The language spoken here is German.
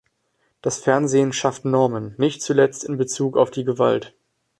Das Fernsehen schafft Normen, nicht zuletzt in bezug auf die Gewalt.